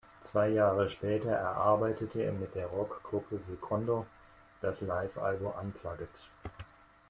Zwei Jahre später erarbeitete er mit der Rock-Gruppe "Secondo" das Live-Album "Unplugged".